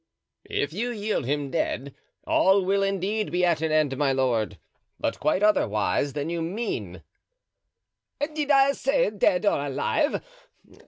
"If you yield him dead, all will indeed be at an end, my lord, but quite otherwise than you mean." "Did I say 'dead or alive?